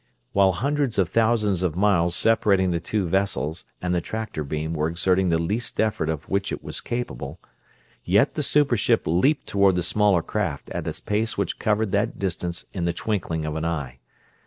While hundreds of thousands of miles separating the two vessels and the tractor beam was exerting the least effort of which it was capable, yet the super ship leaped toward the smaller craft at a pace which covered that distance in the twinkling of an eye.